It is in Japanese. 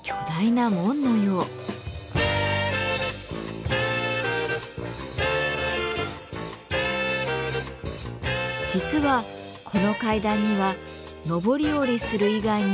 実はこの階段には上り下りする以外にもある役割が。